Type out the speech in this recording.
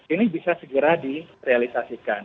ini bisa segera direalisasikan